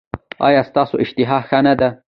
ایا ستاسو اشتها ښه نه ده؟